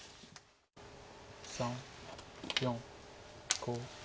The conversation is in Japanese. ３４５。